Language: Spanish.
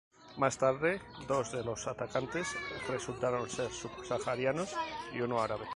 Más tarde, dos de los atacantes resultaron ser subsaharianos y uno árabe.